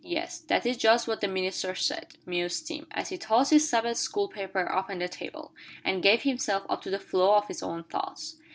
Yes, that is just what the minister said," mused Tim, as he tossed his Sabbath school paper upon the table, and gave himself up to the flow of his own thoughts.